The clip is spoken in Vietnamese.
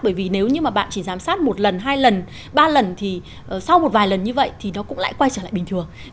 bởi vì nếu như mà bạn chỉ giám sát một lần hai lần ba lần thì sau một vài lần như vậy thì nó cũng lại quay trở lại bình thường